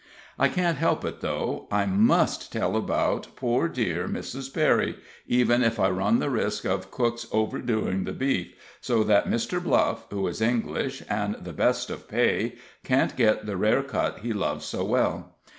I can't help it, though I must tell about poor dear Mrs. Perry, even if I run the risk of cook's overdoing the beef, so that Mr. Bluff, who is English, and the best of pay, can't get the rare cut he loves so well.